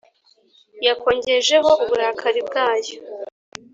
yankongejeho uburakari bwayo